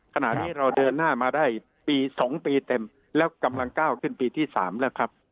ขณะนี้เราเดินหน้ามาได้ปี๒ปีเต็มแล้วกำลังก้าวขึ้นปีที่๓แล้วครับ